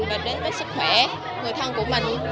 và đến với sức khỏe người thân của mình